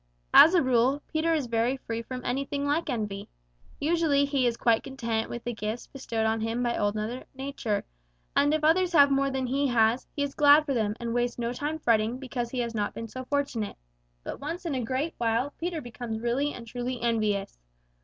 As a rule, Peter is very free from anything like envy. Usually he is quite content with the gifts bestowed upon him by Old Mother Nature, and if others have more than he has, he is glad for them and wastes no time fretting because he has not been so fortunate. But once in a great while Peter becomes really and truly envious.